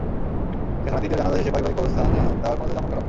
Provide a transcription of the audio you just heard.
সেখানে দ্বিতীয় জানাজা শেষে পারিবারিক কবরস্থানে তাঁর মরদেহ দাফন করা হবে।